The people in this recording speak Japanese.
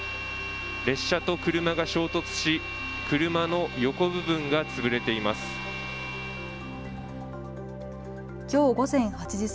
列車と車が衝突し車の横部分が潰れています。